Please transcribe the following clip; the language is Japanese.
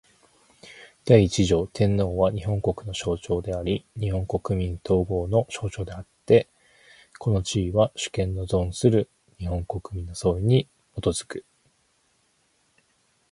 第一条天皇は、日本国の象徴であり日本国民統合の象徴であつて、この地位は、主権の存する日本国民の総意に基く。